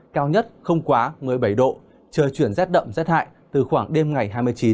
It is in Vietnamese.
cao nhất không quá một mươi bảy độ trời chuyển rét đậm rét hại từ khoảng đêm ngày hai mươi chín